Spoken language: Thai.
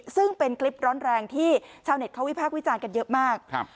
ซึ่งเป็นคลิปร้อนแรงที่ชาวเน็ตเขาวิพากษ์วิจารณ์กันเยอะมากครับ